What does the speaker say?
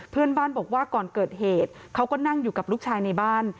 เพื่อนบ้านบอกว่าก่อนเกิดเหตุเขาก็นั่งอยู่กับลูกชายในบ้าน